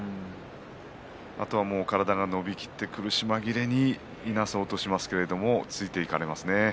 あとは体が伸びきって苦し紛れにいなそうとしますがついていかれますね。